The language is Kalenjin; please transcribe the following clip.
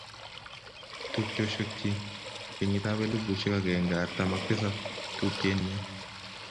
Tuppchosiekchi, kenyitab elipusiek agenge artam ak tisap, tupchenyo